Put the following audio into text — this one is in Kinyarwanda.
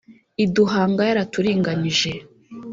Iduhanga yaraturinganije